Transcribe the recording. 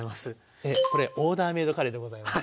これ「オーダーメードカレー」でございます。